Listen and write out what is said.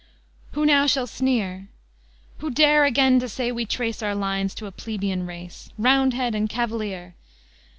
X Who now shall sneer? Who dare again to say we trace Our lines to a plebeian race? Roundhead and Cavalier!